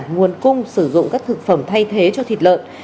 nguồn cung sử dụng các thực phẩm thay thế cho thịt lợn